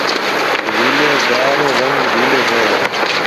ليلي گاها رو رنگ ليلو هوئي هيَ۔